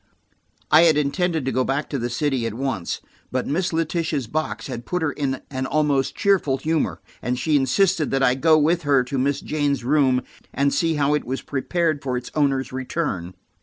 I had intended to go back to the city at once, but Miss Letitia's box had put her in an almost cheerful humor, and she insisted that I go with her to Miss Jane's room, and see how it was prepared for its owner's return.